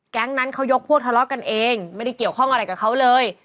นั้นเขายกพวกทะเลาะกันเองไม่ได้เกี่ยวข้องอะไรกับเขาเลย